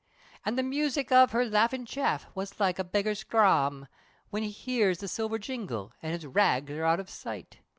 An' the music of her laughin' chaff, Was like a beggar's dhrame, Whin he hears the silver jingle, and His rags are out of sight!